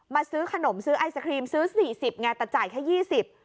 ซื้อขนมซื้อไอศครีมซื้อสี่สิบไงแต่จ่ายแค่ยี่สิบ